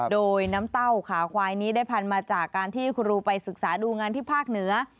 โดยน้ำเต้าขาควายนี้ได้พันมาจากการที่ครูไปศึกษาดูงานที่ภาคเหนือ